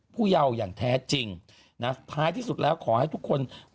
เยาอย่างแท้จริงนะท้ายที่สุดแล้วขอให้ทุกคน